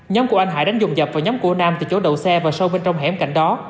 nhóm của anh hải đã dùng dập vào nhóm của nam từ chỗ đầu xe vào sâu bên trong hẻm cạnh đó